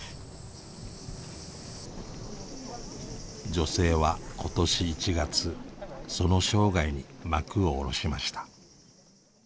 女性は今年１月その生涯に幕を下ろしました。